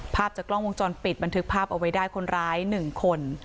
ภาพจากกล้องวงจรปิดบันทึกภาพเอาไว้ได้คนร้าย๑คน